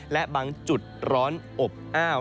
และบางจุดร้อนอบอ้าว